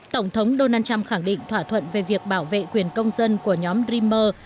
tổng thống donald trump khẳng định thỏa thuận về việc bảo vệ quyền công dân của nhóm dreammer